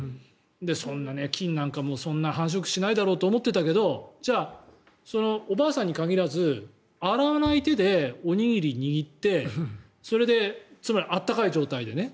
そんな、菌なんか繁殖しないだろうと思ってたけどじゃあ、おばあさんに限らず洗わない手でおにぎりを握ってつまり温かい状態でね。